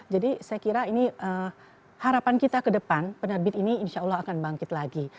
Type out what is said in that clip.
jadi saya kira ini harapan kita ke depan penerbit ini insya allah akan bangkit lagi